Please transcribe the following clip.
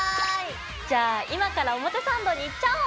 じゃあ今から表参道に行っちゃおう！